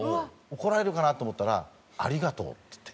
怒られるかなと思ったら「ありがとう」っつって。